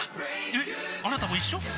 えっあなたも一緒？